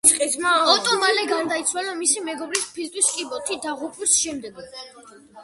ოტო მალე გარდაიცვალა მისი მეგობრის ფილტვის კიბოთი დაღუპვის შემდეგ.